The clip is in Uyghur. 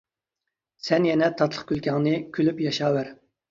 سەن يەنە تاتلىق كۈلكەڭنى كۈلۈپ ياشاۋەر.